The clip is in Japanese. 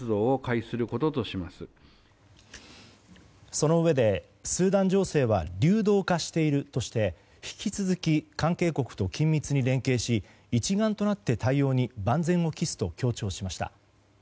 そのうえでスーダン情勢は流動化しているとして引き続き関係国と緊密に連携し一丸となって対応に万全を期すと強調しました。